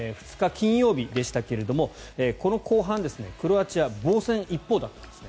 金曜日でしたがこの後半クロアチア防戦一方だったんですね。